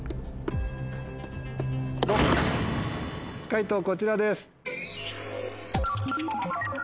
解答こちらです。